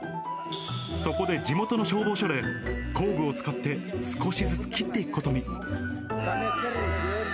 そこで地元の消防署で、工具を使って少しずつ切っていくことに。